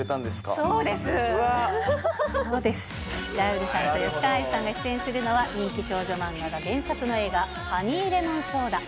そうです、ラウールさんと吉川愛さんが出演するのは、人気少女漫画が原作の映画、ハニーレモンソーダ。